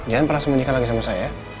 jangan pernah sembunyikan lagi sama saya